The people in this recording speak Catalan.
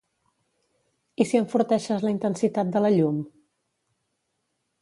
I si enforteixes la intensitat de la llum?